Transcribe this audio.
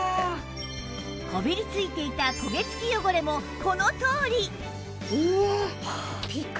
こびり付いていた焦げ付き汚れもこのとおり